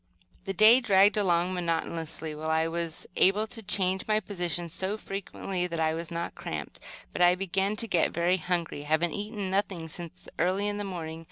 The day dragged along monotonously, while I was able to change my position so frequently that I was not cramped; but I began to get very hungry, having eaten nothing since early in the morning.